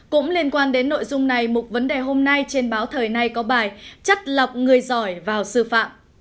cũng liên quan đến nội dung này một vấn đề hôm nay trên báo thời nay có bài chất lọc người giỏi vào sư phạm